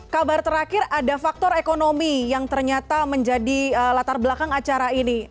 kabar terakhir ada faktor ekonomi yang ternyata menjadi latar belakang acara ini